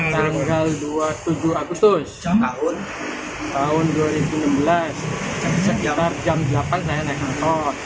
tanggal dua puluh tujuh agustus tahun dua ribu enam belas setiap jam delapan saya naik motor